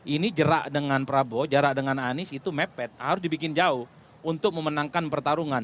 ini gerak dengan prabowo jarak dengan anies itu mepet harus dibikin jauh untuk memenangkan pertarungan